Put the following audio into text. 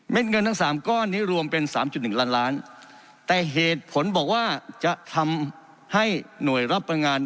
เงินทั้งสามก้อนนี้รวมเป็น๓๑ล้านล้านแต่เหตุผลบอกว่าจะทำให้หน่วยรับประงาน